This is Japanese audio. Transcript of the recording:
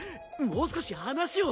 もう少し話を。